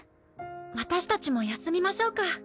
私たちも休みましょうか。